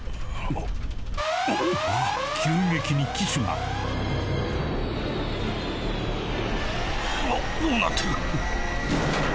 急激に機首がわっどうなってる？